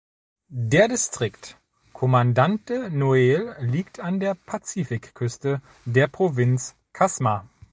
Der Distrikt Comandante Noel liegt an der Pazifikküste der Provinz Casma.